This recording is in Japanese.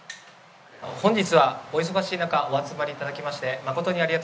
本日はお忙しい中お集まり頂きまして誠にありがとうございます。